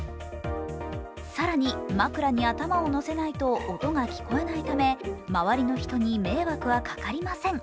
更に枕に頭を乗せないと音が聞こえないため周りの人に迷惑はかかりません。